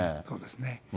そうですね。